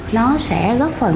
nó sẽ góp phần